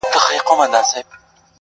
خپل یې د ټولو که ځوان که زوړ دی!